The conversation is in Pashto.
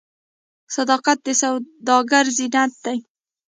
صداقت د سوداګر زینت دی.